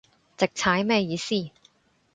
直踩咩意思